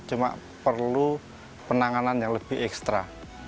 cuma perlu penanganan yang lebih ekstra